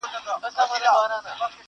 ژوند مي جهاني یوه شېبه پر باڼو ولیکه!!